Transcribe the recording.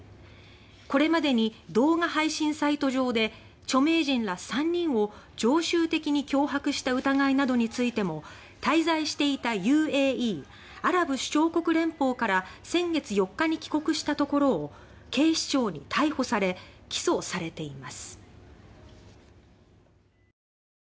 これまでに動画配信サイト上で著名人ら３人を常習的に脅迫した疑いなどについても滞在していたＵＡＥ・アラブ首長国連邦から先月４日に帰国したところを警視庁に逮捕され起訴されています。